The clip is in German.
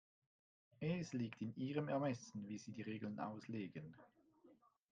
Es liegt in Ihrem Ermessen, wie Sie die Regeln auslegen.